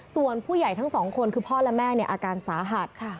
ส่วนผู้ใหญ่ทั้งสองคนคือพ่อและแม่อาการสาหัส